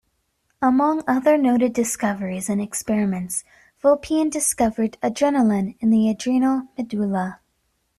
Among other noted discoveries and experiments, Vulpian discovered adrenaline in the adrenal medulla.